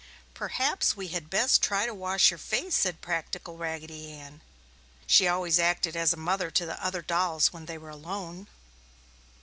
"Perhaps we had best try to wash your face!" said practical Raggedy Ann. She always acted as a mother to the other dolls when they were alone.